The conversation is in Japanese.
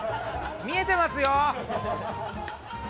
見えていますよ。